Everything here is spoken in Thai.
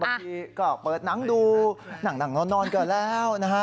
บางทีก็เปิดหนังดูนั่งนอนก็แล้วนะฮะ